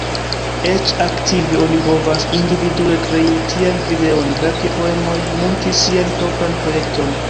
Eĉ aktive, oni povas individue krei tian videon, verki poemon, munti sian propran projekton.